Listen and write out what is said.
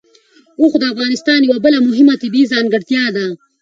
اوښ د افغانستان یوه بله مهمه طبیعي ځانګړتیا ده.